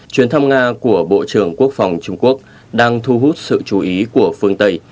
chuyến thăm nga của bộ trưởng quốc phòng trung quốc đang thu hút sự chú ý của phương tây